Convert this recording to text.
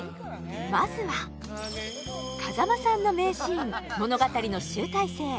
まずは風間さんの名シーン物語の集大成